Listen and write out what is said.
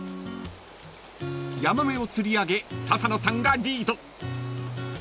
［ヤマメを釣り上げ笹野さんがリード］